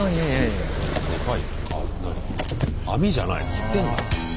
釣ってんだ。